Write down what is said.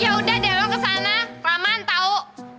yaudah deh lo kesana ramahan tau